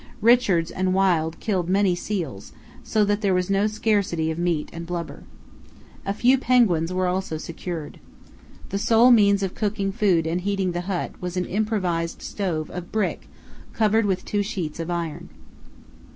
Richards and Wild killed many seals, so that there was no scarcity of meat and blubber. A few penguins were also secured. The sole means of cooking food and heating the hut was an improvised stove of brick, covered with two sheets of iron.